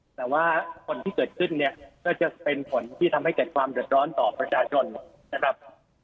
แต่ว่าผลที่เกิดขึ้นเนี่ยก็จะเป็นผลที่ทำให้เกิดความเดือดร้อนต่อประชาชนนะครับ